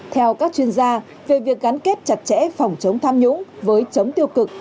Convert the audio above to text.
theo các chuyên gia về việc gắn kết chặt chẽ phòng chống tham nhũng với chống tiêu cực